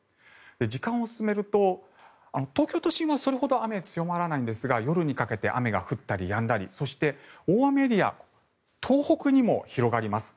時間を進めると東京都心はそれほど雨は強まらないんですが夜にかけて雨が降ったりやんだりそして大雨エリア東北にも広がります。